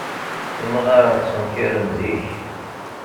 Imɣaren ttenkaren zik.